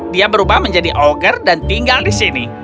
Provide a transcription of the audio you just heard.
dia berubah menjadi ogger dan tinggal di sini